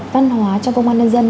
văn hóa trong công an nhân dân